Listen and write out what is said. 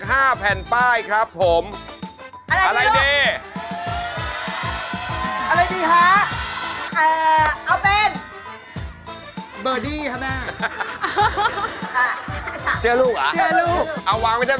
แถ่ที่สอง